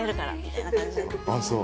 あっそう。